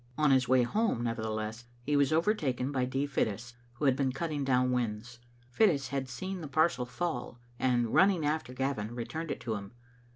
On his way home, nevertheless, he was over taken by D. Fittis, who had been cutting down whins. Fittis had seen the parcel fall, and running after Gavin, returned it to him.